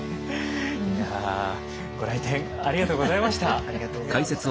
いやご来店ありがとうございました。